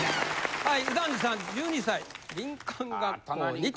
はい。